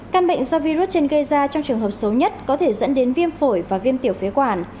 căn bệnh do virus trên gây ra trong trường hợp xấu nhất có thể dẫn đến viêm phổi và viêm tiểu phế quản